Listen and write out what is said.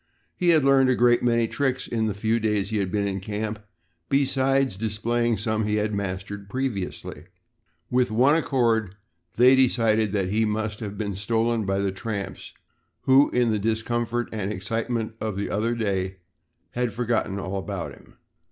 He had learned a great many tricks in the few days he had been in camp besides displaying some he had mastered previously. With one accord they decided that he must have been stolen by the tramps, who, in the discomfort and excitement of the other day, had forgotten all about him.